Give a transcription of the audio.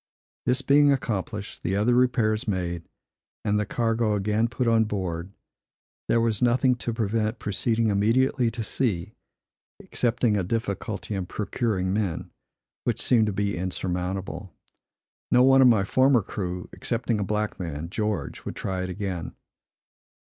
This being accomplished, the other repairs made, and the cargo again put on board, there was nothing to prevent proceeding immediately to sea, excepting a difficulty in procuring men, which seemed to be insurmountable. No one of my former crew, excepting a black man (George), would try it again.